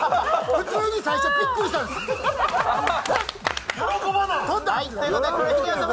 普通に最初びっくりしたんです、えっ、って。